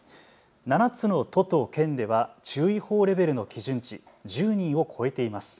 ７つの都と県では注意報レベルの基準値、１０人を超えています。